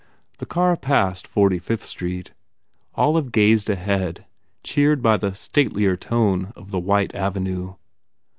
The car passed Forty Fifth Street. Olive gazed ahead, cheered by the statelier tone of the white avenue.